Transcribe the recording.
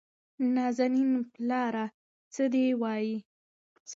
نازنين : پلاره څه چې وايې؟